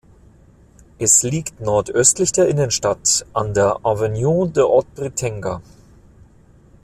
Es liegt nordöstlich der Innenstadt an der "avenue d’Oubritenga".